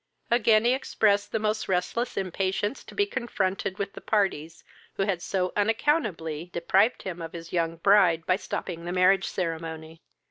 Again he expressed the most restless impatience to be confronted with the parties, who had so unaccountably deprived him of his young bride, by stopping the marriage ceremony.